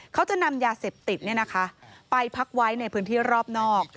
เขาจะนำยาเสพติดไปพักไว้ในพื้นที่รอบนอก